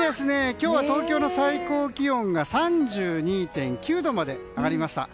今日は東京の最高気温は３２．９度まで上がりました。